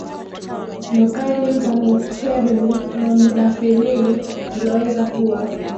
nokaini vanokserini na modafinili zinaweza kuwa